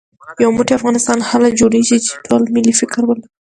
يو موټی افغانستان هله جوړېږي چې ټول ملي فکر ولرو